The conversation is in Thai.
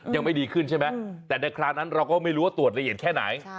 ยังไม่ดีขึ้นใช่ไหมแต่ในคราวนั้นเราก็ไม่รู้ว่าตรวจละเอียดแค่ไหน